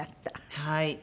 はい。